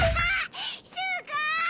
すごい！